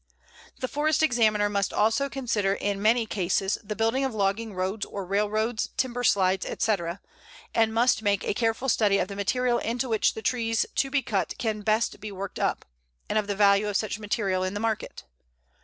The Forest Examiner must also consider, in many cases, the building of logging roads or railroads, timber slides, etc., and must make a careful study of the material into which the trees to be cut can best be worked up, and of the value of such material in the market.